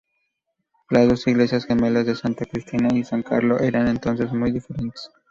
Las dos iglesias gemelas de Santa Cristina y San Carlo eran entonces muy diferentes.